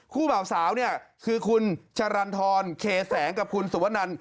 บ่าวสาวเนี่ยคือคุณจรรเคแสงกับคุณสุวนัน